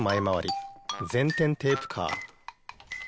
まわり前転テープカー。